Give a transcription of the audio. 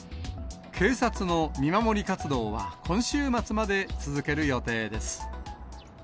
警察の見守り活動は今週末まで続ける予定です。